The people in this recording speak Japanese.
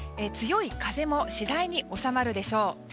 強い風も次第に収まるでしょう。